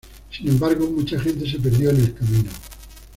Sin embargo, mucha gente se perdió en el camino.